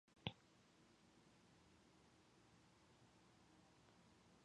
Patroni and Murdock take the airline's executive jet to Salt Lake.